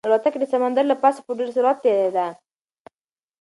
الوتکه د سمندر له پاسه په ډېر سرعت تېرېده.